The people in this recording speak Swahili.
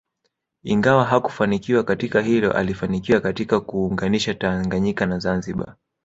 Ingawa hakufanikiwa katika hilo alifanikiwa katika kuunganisha Tanganyika na Zanzibar